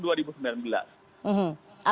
artinya kpk sudah berupaya semaksimal